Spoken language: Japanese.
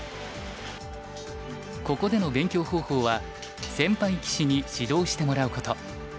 ここでの勉強方法は先輩棋士に指導してもらうこと。